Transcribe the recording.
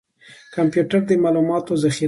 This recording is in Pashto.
کمپیوټر د معلوماتو ذخیره ده